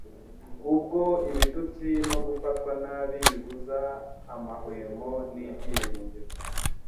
Uwo ibitutsi no gufatwa nabi bibuza amehwemo n'ibyiringiro,